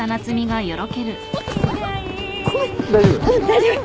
大丈夫。